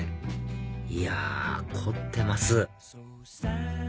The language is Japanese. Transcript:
いや凝ってます！